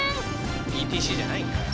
ＥＴＣじゃないんかい。